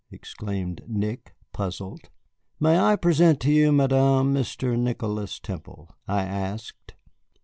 exclaimed Nick, puzzled. "May I present to you, Madame, Mr. Nicholas Temple?" I asked.